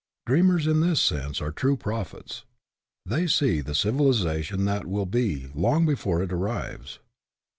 Dreamers in this sense are true prophets. They see the civilization that will be, long before it arrives.